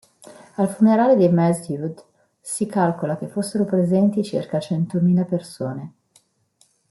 Al funerale di Masʿūd si calcola che fossero presenti circa centomila persone.